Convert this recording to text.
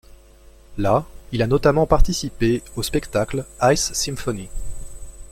Là, il a notamment participé au spectacle Ice Symphony.